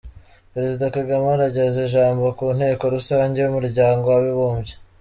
Perezida Kagame arageza ijambo ku Nteko Rusange y’Umuryango w’Abibumbye